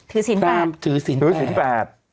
ถือสินแปด